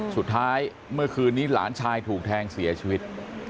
สุดท้ายเมื่อคืนนี้หลานชายถูกแทงเสียชีวิต